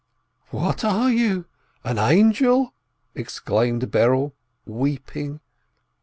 "What are you, an angel ?" exclaimed Berel, weeping.